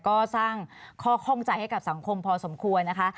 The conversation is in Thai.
ก็สร้างข้อข้องใจให้กับสังคมพอสมควรนะคะ